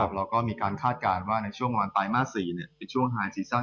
เราก็มีคาดการณ์ว่าในช่วงประมาณไตมาส๔เป็นช่วงหายสิทธิ์สรรค์